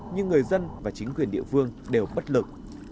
nhưng người dân và chính quyền địa phương đều bất lực